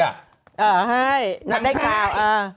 เฮ้ยนางไม่กาว